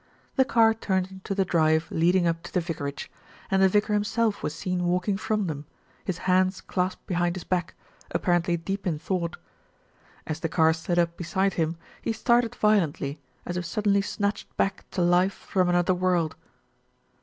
The car turned into the drive leading up to the vicar age, and the vicar himself was seen walking from them, his hands clasped behind his back, apparently deep in thought. As the car slid up beside him, he started violently, as if suddenly snatched back to life from another world.